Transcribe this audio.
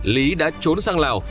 lý đã trốn sang lào